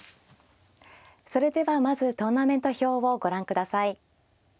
それではまずトーナメント表をご覧ください。